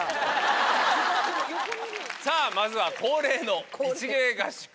さぁまずは恒例の「一芸合宿」ですが。